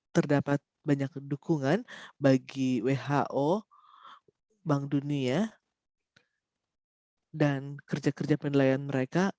terdapat banyak dukungan bagi who bank dunia dan kerja kerja penilaian mereka